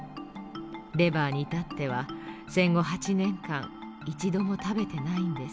レバーに至っては戦後８年間一度も食べてないんです」。